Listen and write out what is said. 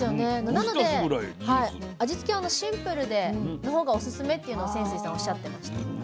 なので味付けはシンプルな方がオススメっていうのを泉水さんおっしゃってました。